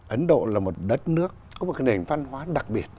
ấn độ là một đất nước có một cái nền văn hóa đặc biệt